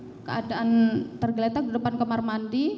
dalam keadaan tergeletak di depan kamar mandi